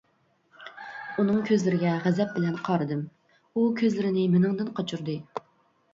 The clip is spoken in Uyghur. ئۇنىڭ كۆزلىرىگە غەزەپ بىلەن قارىدىم، ئۇ كۆزلىرىنى مېنىڭدىن قاچۇردى.